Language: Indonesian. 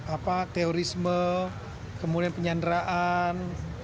apa teorisme kemudian penyanderaan